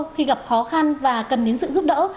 khi gặp khó khăn và cần đến sự giúp đỡ